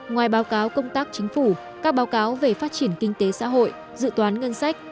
ngoài báo cáo công tác chính phủ các báo cáo về phát triển kinh tế xã hội dự toán ngân sách